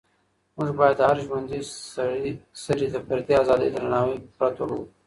موږ باید د هر ژوندي سري د فردي ازادۍ درناوی په پوره توګه وکړو.